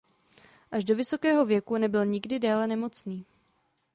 Až do vysokého věku nebyl nikdy déle nemocný.